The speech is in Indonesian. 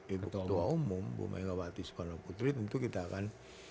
ibu ketua umum bu megawati soekarno putri tentu kita akan